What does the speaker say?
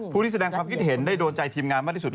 ผู้ที่แสดงความคิดเห็นได้โดนใจทีมงานมากที่สุด